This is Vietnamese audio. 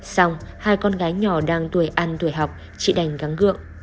xong hai con gái nhỏ đang tuổi ăn tuổi học chị đành gắn gượng